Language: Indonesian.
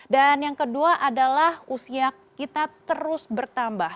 dan yang kedua adalah usia kita terus bertambah